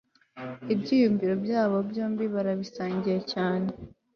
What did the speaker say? ibyiyumvo byabo byombi barabisangiye cyane